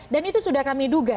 dan itu sudah kami duga